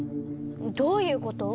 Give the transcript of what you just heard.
どういうこと？